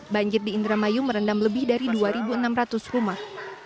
banjir di indramayu merendam lebih dari dua enam ratus rumah